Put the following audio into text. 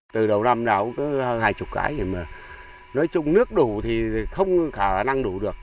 từ đầu năm nào cũng có hai mươi cái nói chung nước đủ thì không khả năng đủ được